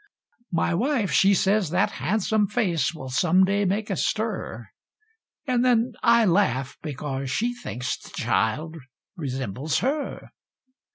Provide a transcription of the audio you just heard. My wife, she says that han'some face will some day make a stir; And then I laugh, because she thinks the child resembles her.